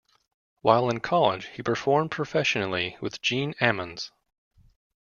While in college, he performed professionally with Gene Ammons.